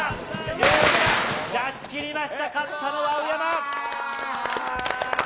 両者、出しきりました、勝ったのは宇山。